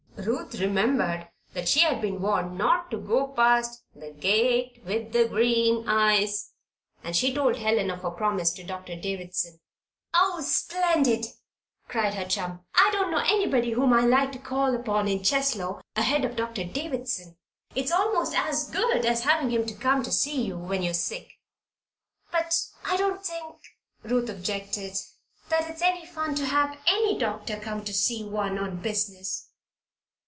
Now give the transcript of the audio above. Ruth remembered that she had been warned not to go past "the gate with the green eyes" and she told Helen of her promise to Doctor Davison. "Oh, splendid!" cried her chum. "I don't know anybody whom I like to call upon in Cheslow ahead of Doctor Davison. It's almost as good as having him come to see you when you're sick." "But I don't think," Ruth objected, "that it's any fun to have any doctor come to see one on business."